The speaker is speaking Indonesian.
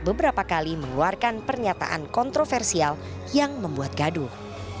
beberapa kali mengeluarkan pernyataan kontroversial yang membuat gaduh